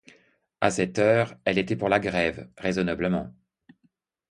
A cette heure, elle était pour la grève, raisonnablement.